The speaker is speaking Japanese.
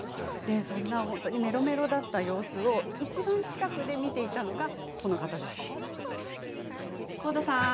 そのメロメロだった様子をいちばん近くで見ていたのがこの方です。